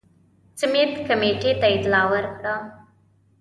سمیت کمېټې ته اطلاع ورکړه.